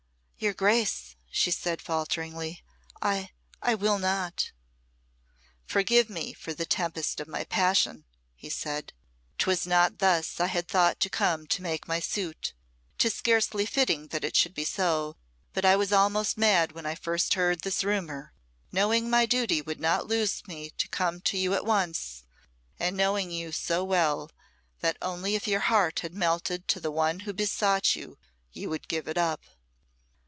"Your Grace," she said, faltering, "I I will not!" "Forgive me for the tempest of my passion," he said. "'Twas not thus I had thought to come to make my suit. 'Tis scarcely fitting that it should be so; but I was almost mad when I first heard this rumour, knowing my duty would not loose me to come to you at once and knowing you so well, that only if your heart had melted to the one who besought you, you would give up."